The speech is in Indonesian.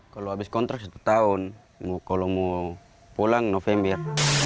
kalau habis kontrak satu tahun kalau mau pulang november